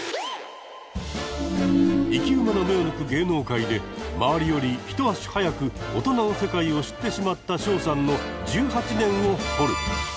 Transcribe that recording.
生き馬の目を抜く芸能界で周りより一足早く大人の世界を知ってしまったショウさんの１８年を掘る。